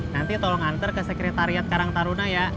nanti tolong antar ke sekretariat karang taruna ya